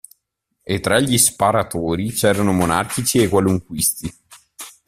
E tra gli sparatori c'erano monarchici e qualunquisti.